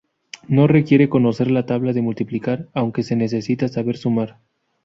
No requiere conocer la tabla de multiplicar, aunque se necesita saber sumar.